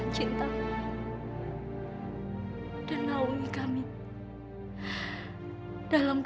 hanya karena engkau ya allah